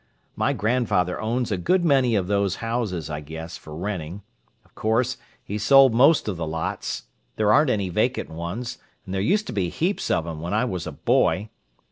My grandfather owns a good many of these houses, I guess, for renting. Of course, he sold most of the lots—there aren't any vacant ones, and there used to be heaps of 'em when I was a boy.